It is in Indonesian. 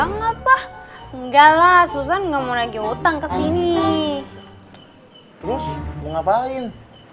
nggak lah susan nggak mau lagi utang ke sini terus ngapain